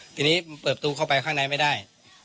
ทีนี้เปิดประตูเข้าไปข้างในไม่ได้